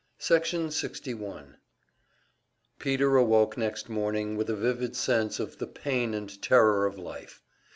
Section 61 Peter awoke next morning with a vivid sense of the pain and terror of life.